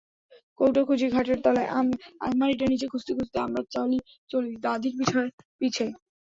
কৌটা খুঁজি খাটের তলায়, আলমারিটার নিচে, খুঁজতে খুঁজতে আমরা চলি দাদির পিছে পিছে।